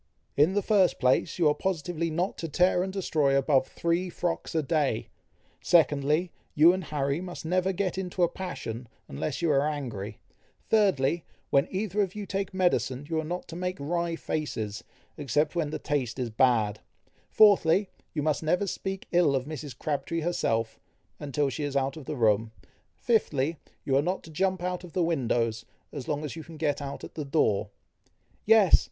"In the first place, you are positively not to tear and destroy above three frocks a day; secondly, you and Harry must never get into a passion, unless you are angry; thirdly, when either of you take medicine, you are not to make wry faces, except when the taste is bad; fourthly, you must never speak ill of Mrs. Crabtree herself, until she is out of the room; fifthly, you are not to jump out of the windows, as long as you can get out at the door" "Yes!"